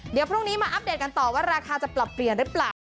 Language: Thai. เดี๋ยวพรุ่งนี้มาอัปเดตกันต่อว่าราคาจะปรับเปลี่ยนหรือเปล่า